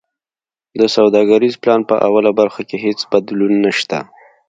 د سوداګریز پلان په اوله برخه کی هیڅ بدلون نشته.